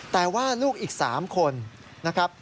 แต่ว่าลูกอีก๓คนนะครับ